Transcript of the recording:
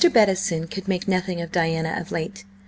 BETTISON could make nothing of Diana of late.